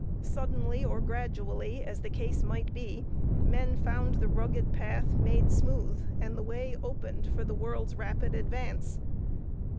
Suddenly or gradually, as the case might be, men found the rugged path made smooth and the way opened for the world's rapid advance.